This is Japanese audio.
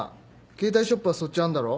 携帯ショップはそっちあんだろ？